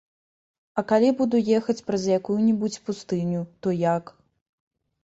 А калі буду ехаць праз якую-небудзь пустыню, то як?